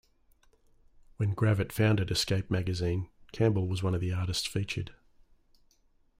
When Gravett founded "Escape Magazine", Campbell was one of the artists featured.